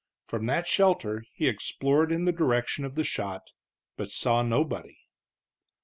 From that shelter he explored in the direction of the shot, but saw nobody.